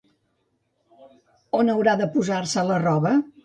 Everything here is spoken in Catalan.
On haurà de posar-se la roba?